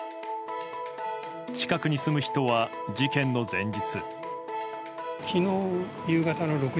近くに住む人は事件の前日。